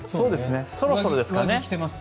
そろそろですかね。